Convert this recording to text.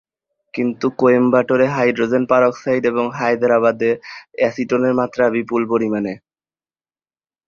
কিন্তু কোয়েম্বাটোরে hydrogen peroxide এবং হায়দ্রাবাদে অ্যাসিটোনের মাত্রা, বিপুল পরিমাণে!